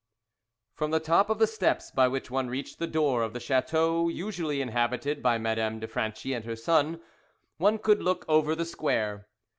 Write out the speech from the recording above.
FROM the top of the steps by which one reached the door of the chateau usually inhabited by Madame de Franchi and her son, one could look over the square.